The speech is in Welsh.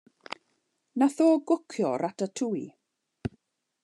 Nath o gwcio ratatouille.